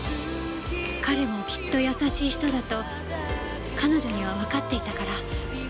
彼もきっと優しい人だと彼女にはわかっていたから。